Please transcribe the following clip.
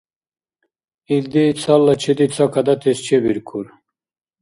Илди цала чеди ца кадатес чебиркур…